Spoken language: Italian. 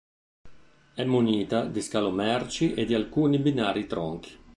È munita di scalo merci e di alcuni binari tronchi.